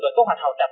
và cố hoạch hậu tập